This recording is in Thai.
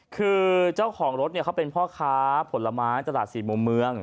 คือเจ้าของรถเขาเป็นพ่อค้าผลไม้ตลาดสี่มุมเมือง